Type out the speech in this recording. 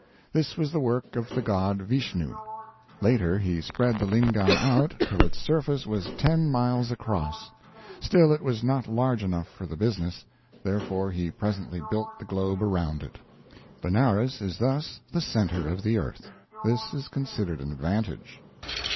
This was the work of the God Vishnu. Later he spread the lingam out till its surface was ten miles across. Still it was not large enough for the business; therefore he presently built the globe around it. Benares is thus the center of the earth. This is considered an advantage.